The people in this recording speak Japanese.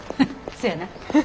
そやな。